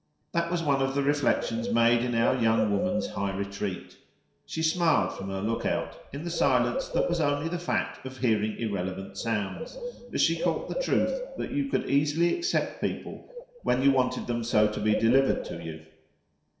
That was one of the reflexions made in our young woman's high retreat; she smiled from her lookout, in the silence that was only the fact of hearing irrelevant sounds, as she caught the truth that you could easily accept people when you wanted them so to be delivered to you.